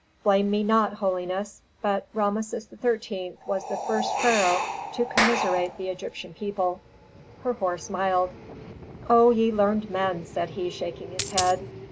"Blame me not, holiness, but Rameses XIII. was the first pharaoh to commiserate the Egyptian people." Herhor smiled. "O ye learned men," said he, shaking his head.